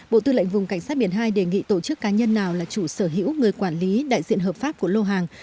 bộ tư lệnh vùng cảnh sát biển hai đề nghị tổ chức cá nhân nào là chủ sở hữu người quản lý đại diện hợp pháp của lô hàng